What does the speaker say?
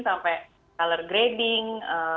sampai color grading